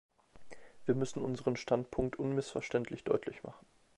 Wir müssen unseren Standpunkt unmissverständlich deutlich machen.